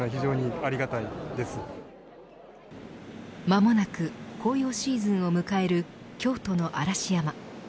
間もなく紅葉シーズンを迎える京都の嵐山。